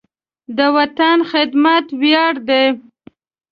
د وطن خدمت ویاړ دی.